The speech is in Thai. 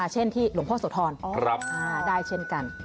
เช่นที่หลวงพ่อโสธรได้เช่นกัน